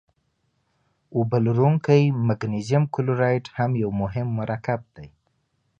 اوبه لرونکی مګنیزیم کلورایډ هم یو مهم مرکب دی.